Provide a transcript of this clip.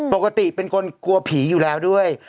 ปกติเป็นคนกลัวผีอยู่แล้วด้วย